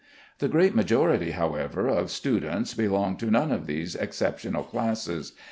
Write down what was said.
The great majority, however, of students belong to none of these exceptional classes.